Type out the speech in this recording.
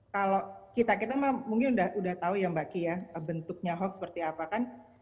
kalau kita kita mungkin sudah tahu ya mbak ki ya bentuknya hoax seperti apa kan